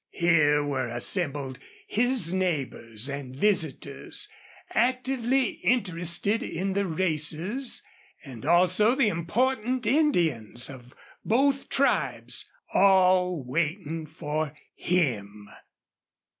Here were assembled his neighbors and visitors actively interested in the races, and also the important Indians of both tribes, all waiting for him.